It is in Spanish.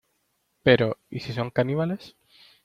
Pero... ¿ y si son caníbales? .